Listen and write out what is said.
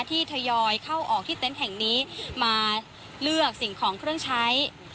ทยอยเข้าออกที่เต็นต์แห่งนี้มาเลือกสิ่งของเครื่องใช้